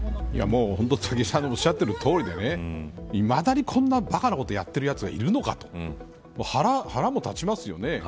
武井さんのおっしゃっているとおりでいまだに、こんなばかなことをやっているやつがいるのかと腹も立ちます。